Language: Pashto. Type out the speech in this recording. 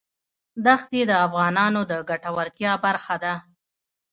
دښتې د افغانانو د ګټورتیا برخه ده.